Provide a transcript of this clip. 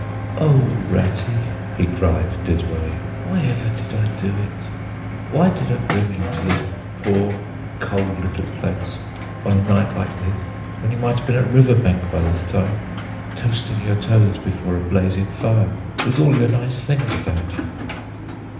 "O Ratty!" he cried dismally, "why ever did I do it? Why did I bring you to this poor, cold little place, on a night like this, when you might have been at River Bank by this time, toasting your toes before a blazing fire, with all your own nice things about you!"